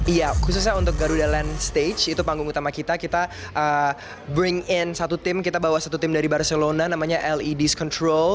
iya khususnya untuk garuda land stage itu panggung utama kita kita bring in satu tim kita bawa satu tim dari barcelona namanya leds control